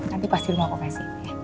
nanti pasti mau aku kasih